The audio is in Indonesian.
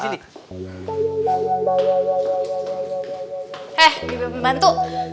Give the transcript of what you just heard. eh bibi pembantu